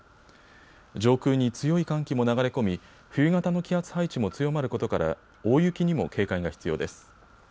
上空に強い寒気も流れ込み冬型の気圧配置も強まることから大雪にも警戒が必要です。